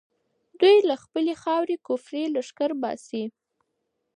دوی له خپلې خاورې کفري لښکر باسي.